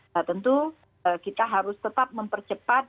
nah tentu kita harus tetap mempercepat